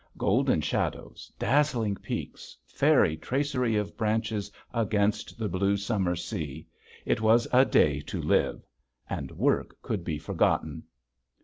Golden shadows, dazzling peaks, fairy tracery of branches against the blue summer sea! It was a day to Live, and work could be forgotten.